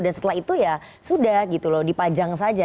dan setelah itu ya sudah gitu loh dipajang saja